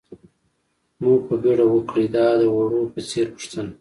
مو په بېړه وکړئ، دا د وړو په څېر پوښتنه.